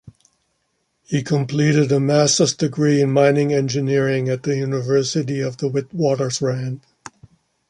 He completed a master's degree in mining engineering at the University of the Witwatersrand.